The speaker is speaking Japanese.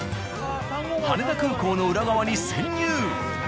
羽田空港の裏側に潜入。